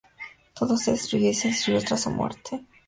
Todo se destruyó o disgregó tras su muerte.